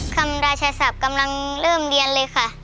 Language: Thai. ราชศัพท์กำลังเริ่มเรียนเลยค่ะ